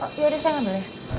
oh yaudah saya ambil ya